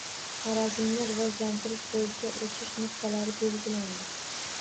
Xorazmni rivojlantirish bo‘yicha «o‘sish nuqtalari» belgilandi